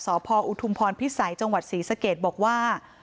สอบพออุทุมพรพิสัยจังหวัดศรีสะเกดบอกว่า